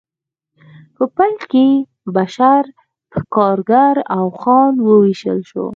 په پیل کې بشر په کارګر او خان وویشل شو